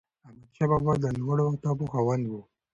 احمدشاه بابا د لوړو اهدافو خاوند و.